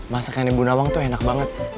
masakan di bu nawang tuh enak banget